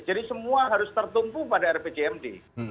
jadi semua harus tertumpu pada rpcmd